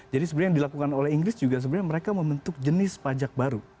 jadi sebenarnya yang dilakukan oleh inggris juga sebenarnya mereka membentuk jenis pajak baru